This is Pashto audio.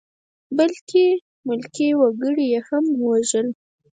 بلکې ملکي وګړي یې هم ووژل.